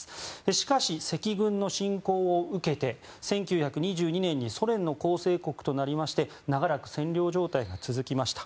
しかし赤軍の侵攻を受けて１９２２年にソ連の構成国となりまして長らく占領状態が続きました。